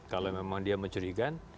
kalau memang dia mencurigakan